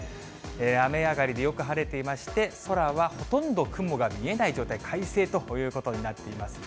雨上がりでよく晴れていまして、空はほとんど雲が見えない状態、快晴ということになっています。